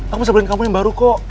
aku bisa beli kamu yang baru kok